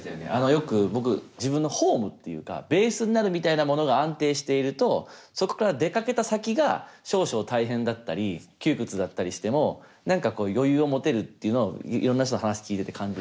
よく僕自分のホームっていうかベースになるみたいなものが安定しているとそこから出かけた先が少々大変だったり窮屈だったりしても何かこう余裕を持てるっていうのはいろんな人の話聞いてて感じるの。